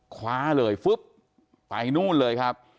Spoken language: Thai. คว้าเลยฟึ๊บไปนู่นเลยครับ